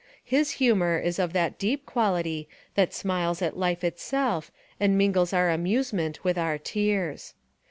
His humour is of that deep quality that smiles at life itself and mingles our amusement with our tears.